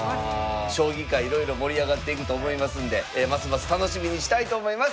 将棋界いろいろ盛り上がっていくと思いますんでますます楽しみにしたいと思います。